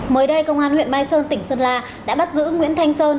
mới đây công an huyện mai sơn tỉnh sơn la đã bắt giữ nguyễn thanh sơn